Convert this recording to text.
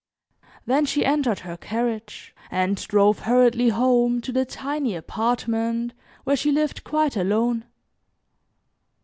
Then she entered her carriage and drove hurriedly home to the tiny apartment where she lived quite alone.